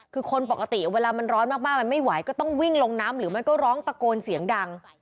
คือคนปกติเวลามันร้อนมากมันไม่ไหวก็ต้องวิ่งลงน้ำหรือมันก็ร้องตะโกนเสียงดัง